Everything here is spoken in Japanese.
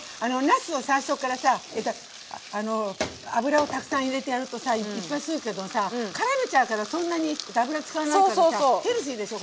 なすを最初からさ油をたくさん入れてやるとさいっぱい吸うけどさからめちゃうからそんなに油使わないからさヘルシーでしょ